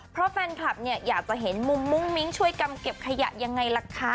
เพราะแฟนคลับเนี่ยอยากจะเห็นมุมมุ้งมิ้งช่วยกำเก็บขยะยังไงล่ะคะ